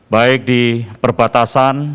baik di perbatasan